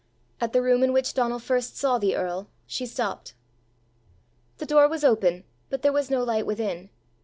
At the room in which Donal first saw the earl, she stopped. The door was open, but there was no light within.